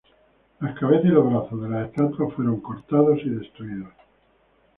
Las cabezas y los brazos de las estatuas fueron cortados y destruidos.